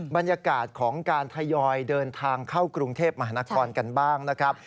บรรยากาศของการทยอยเดินทางเข้ากรุงเทพมหานครกันบ้างนะครับ